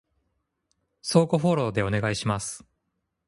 相互フォローでお願いします